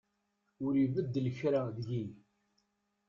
Ur ibeddel kra deg-i.